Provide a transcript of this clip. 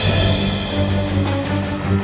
aku tidak mau membunuhmu